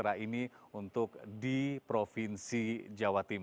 dan ada yang ingin dikatakan tentang perubahan yang akan diadakan